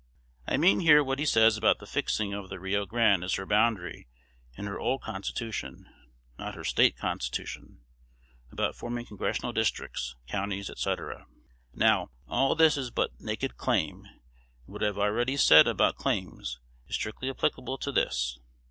I mean here what he says about the fixing of the Rio Grande as her boundary in her old constitution (not her State Constitution), about forming congressional districts, counties, &c. Now, all this is but naked claim; and what I have already said about claims is strictly applicable to this.